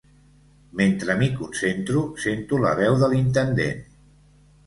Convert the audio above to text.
Mentre m'hi concentro sento la veu de l'intendent.